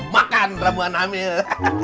makan ramuan hamil